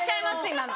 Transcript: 今の。